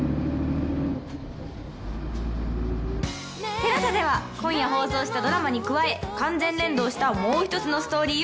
ＴＥＬＡＳＡでは今夜放送したドラマに加え完全連動したもうひとつのストーリーを配信中。